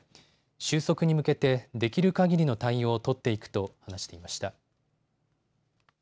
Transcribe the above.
収束に向けてできるかぎりの対応を取っていくと話していました。